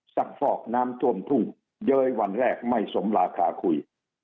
ซักปอกน้ำท่วงพุ่งเย้วให้วันแรกไม่สมราคาคุย